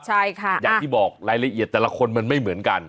ใช่ค่ะอย่างที่บอกรายละเอียดแต่ละคนมันไม่เหมือนกัน